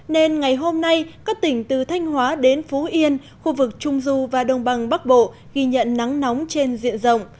nên ngày hôm nay các tỉnh từ thanh hóa đến phú yên khu vực trung du và đồng bằng bắc bộ ghi nhận nắng nóng trên diện rộng